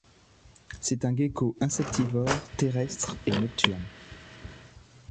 C'est un gecko insectivore, terrestre et nocturne.